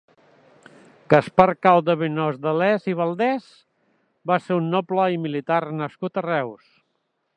Gaspar Cao de Benós de Les i Valdés va ser un noble i militar nascut a Reus.